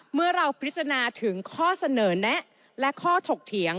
เมื่อเราพิจารณาถึงข้อเสนอแนะและข้อถกเถียง